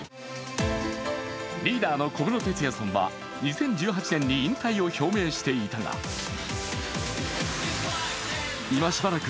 リーダーの小室哲哉さんは２０１８年に引退を表明していたが希代のヒット